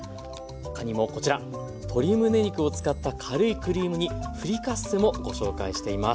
他にもこちら鶏むね肉を使った軽いクリーム煮フリカッセもご紹介しています。